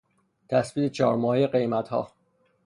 تثبیت چهار ماههی قیمتها